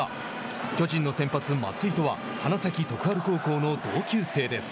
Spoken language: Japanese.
巨人の先発、松井とは花咲徳栄高校の同級生です。